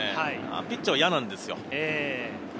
あれピッチャーは嫌なんですよ。